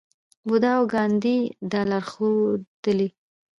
بودا او ګاندي دا لار ښودلې.